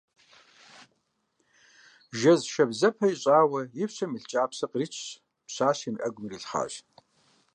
Жэз шабзэпэ ищӀауэ и пщэм илъ кӀапсэр къричщ, пщащэм и Ӏэгум ирилъхьащ.